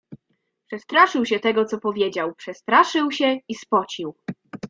Przestraszył się tego, co powiedział; przestraszył się i spocił.